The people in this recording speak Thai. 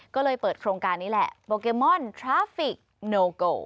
ก็เลยเปิดโครงการนี้แหละโปเกมอนทราฟิกโนโก